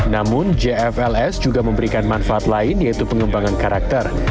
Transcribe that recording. namun jfls juga memberikan manfaat lain yaitu pengembangan karakter